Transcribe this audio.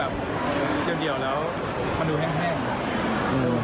แล้วต้องเริ่มหัวใจและยิ้มให้ด้วย